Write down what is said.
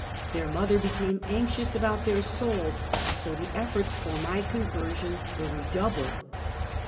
Their mother became anxious about their souls, so the efforts for my conversion were redou bled.